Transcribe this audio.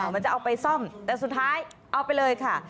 มันจะเอาไปซ่อมแต่สุดท้ายเอาไปเลยค่ะ